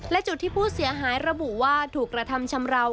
และจุดที่ผู้เสียหายระบุว่าถูกกระทำชำราว